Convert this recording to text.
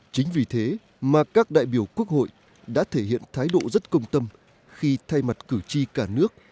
chính vì thế mà các đại biểu quốc hội đã thể hiện thái độ rất công tâm khi thay mặt cử tri cả nước